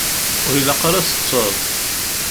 Ur ilaq ara ad teṭṭseḍ.